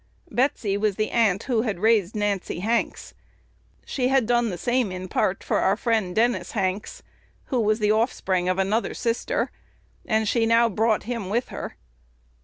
Betsy was the aunt who had raised Nancy Hanks. She had done the same in part for our friend Dennis Hanks, who was the offspring of another sister, and she now brought him with her.